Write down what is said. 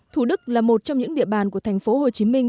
thủ đức là một trong những địa bàn của thành phố hồ chí minh